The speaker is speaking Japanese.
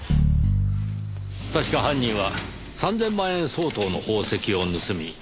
確か犯人は３０００万円相当の宝石を盗み。